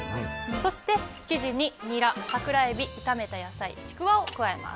そして、生地にニラ、桜エビ、炒めたちくわを加えます。